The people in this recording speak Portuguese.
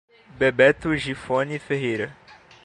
Bebeto Gifone Ferreira